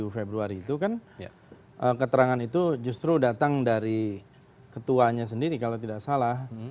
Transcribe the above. dua puluh februari itu kan keterangan itu justru datang dari ketuanya sendiri kalau tidak salah